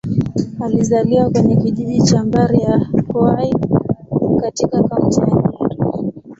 Alizaliwa kwenye kijiji cha Mbari-ya-Hwai, katika Kaunti ya Nyeri.